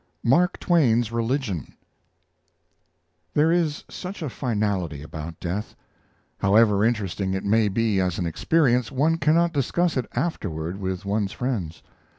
MARK TWAIN'S RELIGION There is such a finality about death; however interesting it may be as an experience, one cannot discuss it afterward with one's friends.